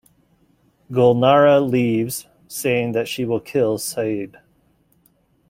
Gulnara leaves, saying that she will kill Seid.